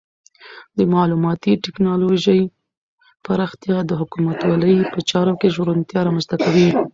د معلوماتي ټکنالوژۍ پراختیا د حکومتولۍ په چارو کې روڼتیا رامنځته کوي.